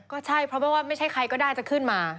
ก็ใช่เพราะว่าไม่ใช่ใครก็ได้จะขึ้นมา